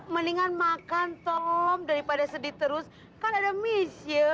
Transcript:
mendingan makan tom daripada sedih terus kan ada miso